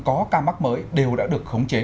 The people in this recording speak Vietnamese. có ca mắc mới đều đã được khống chế